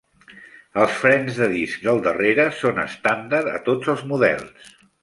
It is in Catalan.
Els frens de disc del darrere són estàndard a tots els models.